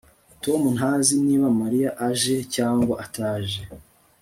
Tom ntazi niba Mariya aje cyangwa ataje